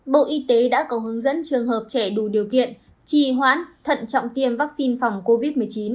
bộ y tế đã có hướng dẫn trường hợp trẻ đủ điều kiện trì hoãn thận trọng tiêm vaccine phòng covid một mươi chín